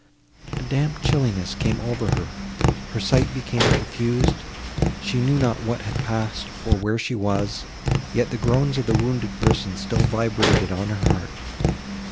A damp chillness came over her; her sight became confused; she knew not what had passed, or where she was, yet the groans of the wounded person still vibrated on her heart.